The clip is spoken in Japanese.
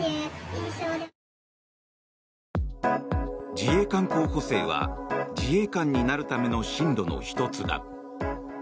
自衛官候補生は自衛官になるための進路の１つだ。